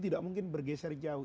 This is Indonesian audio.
tidak mungkin bergeser jauh